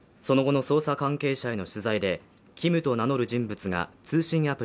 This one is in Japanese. その後の捜査関係者への取材でキムと名乗る人物が通信アプリ